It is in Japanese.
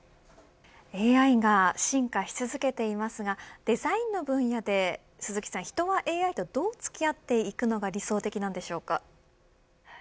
ＡＩが進化し続けていますがデザインの分野で人はＡＩとどう付き合っていくのが理想的でしょうか。